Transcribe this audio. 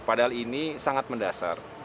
padahal ini sangat mendasar